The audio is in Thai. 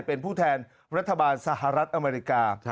เป็นผู้แทนรัฐบาลสหรัฐอเมริกา